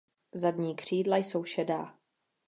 Zadní křídla jsou šedá.